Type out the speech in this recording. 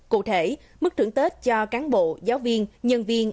cụ thể mức thưởng tết cho cán bộ giáo viên nhân viên ở thành phố hồ chí minh